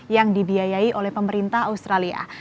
yang dibiayai oleh pemerintah australia